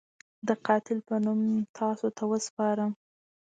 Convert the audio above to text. د قاتل په نوم تاسو ته وسپارم.